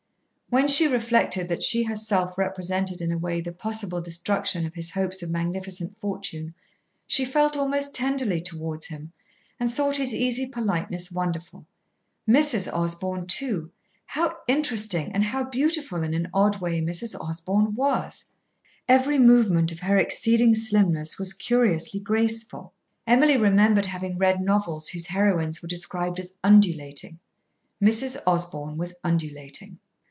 When she reflected that she herself represented in a way the possible destruction of his hopes of magnificent fortune, she felt almost tenderly towards him, and thought his easy politeness wonderful. Mrs. Osborn, too! How interesting and how beautiful in an odd way Mrs. Osborn was! Every movement of her exceeding slimness was curiously graceful. Emily remembered having read novels whose heroines were described as "undulating." Mrs. Osborn was undulating.